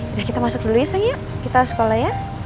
udah kita masuk dulu ya sayang yuk kita sekolah ya